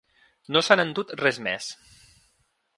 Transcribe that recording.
No s’han endut res més.